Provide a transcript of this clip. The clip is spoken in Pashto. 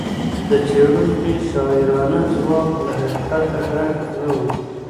د څېړونکي شاعرانه ځواب له حقیقته ډک نه و.